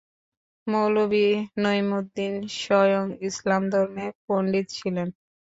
মৌলবি নইমুদ্দীন স্বয়ং ইসলাম ধর্মে পন্ডিত ছিলেন।